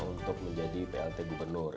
untuk menjadi plt gubernur